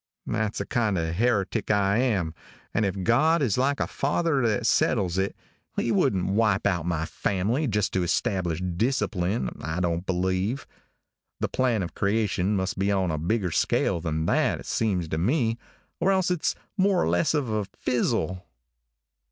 That's the kind of heretic I am, and if God is like a father that settles it, He wouldn't wipe out my family just to establish discipline, I don't believe. The plan of creation must be on a bigger scale than that, it seems to me, or else it's more or less of a fizzle.